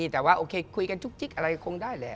มีแต่ว่าคุยกันจุ๊บจิ๊บอะไรก็คงได้แหละ